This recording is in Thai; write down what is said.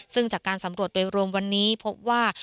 ซึ่งจากการสำรวจโดยรวมวันนี้พบว่า